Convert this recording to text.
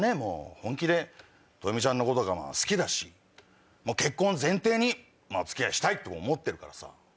本気でトヨミちゃんのことが好きだし結婚を前提にお付き合いしたいと思ってるからさ。